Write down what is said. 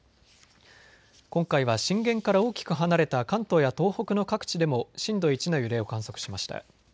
今回は震源から大きく離れた関東や東北の各地でも震度１の揺れを観測しました。